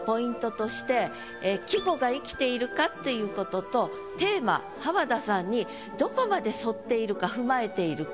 季語が生きているかっていうこととテーマ「浜田さん」にどこまで沿っているか踏まえているか。